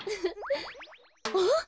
あっ？